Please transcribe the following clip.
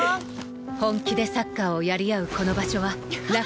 本気でサッカーをやり合うこの場所は楽園でした